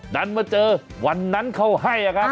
ดันมาเจอวันนั้นเขาให้ครับ